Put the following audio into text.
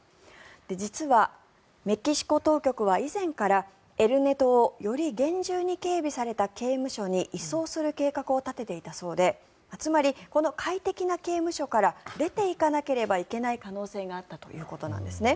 実は、メキシコ当局は以前からエル・ネトをより厳重に警備された刑務所に移送する計画を立てていたそうでつまり、この快適な刑務所から出ていかなければいけない可能性があったということなんですね。